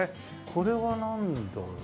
これはなんだろう？